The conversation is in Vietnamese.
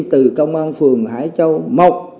từ công an phường hải châu mộc